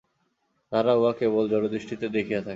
তাহারা উহা কেবল জড়দৃষ্টিতে দেখিয়া থাকে।